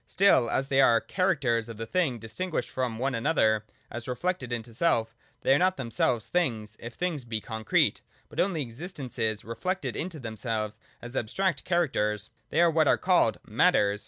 Still, as they are the characters of the thing distinguished from one another (as reflected into self ), they are not themselves things, if things be concrete ; but only existences reflected into themselves as abstract characters. They are what are called Matters.